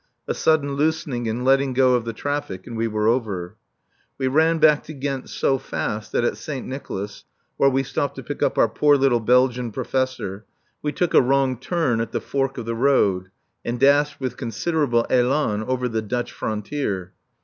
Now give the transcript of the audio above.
A sudden loosening and letting go of the traffic, and we were over. We ran back to Ghent so fast that at Saint Nicolas (where we stopped to pick up our poor little Belgian professor) we took the wrong turn at the fork of the road and dashed with considerable élan over the Dutch frontier.